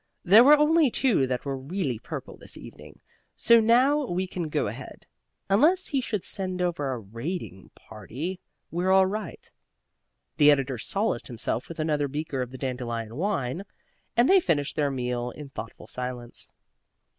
There were only two that were really purple this evening, so now we can go ahead. Unless he should send over a raiding party, we're all right." The editor solaced himself with another beaker of the dandelion wine and they finished their meal in thoughtful silence.